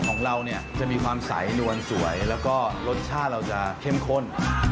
ของเราเนี่ยจะมีความใสนวลสวยแล้วก็รสชาติเราจะเข้มข้น